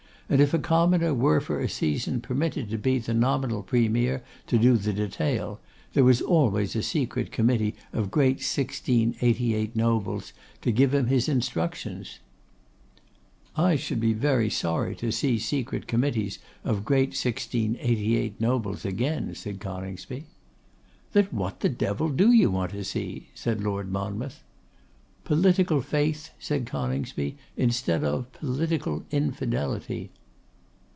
And if a commoner were for a season permitted to be the nominal Premier to do the detail, there was always a secret committee of great 1688 nobles to give him his instructions.' 'I should be very sorry to see secret committees of great 1688 nobles again,' said Coningsby. 'Then what the devil do you want to see?' said Lord Monmouth. 'Political faith,' said Coningsby, 'instead of political infidelity.